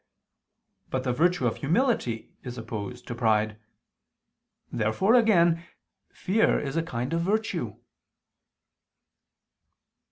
But the virtue of humility is opposed to pride. Therefore again, fear is a kind of virtue.